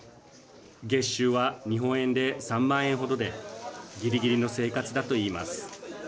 月収は日本円で３万円ほどでぎりぎりの生活だといいます。